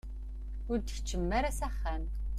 Ur d-tkeččmem ara s axxam?